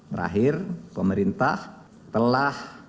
terakhir pemerintah telah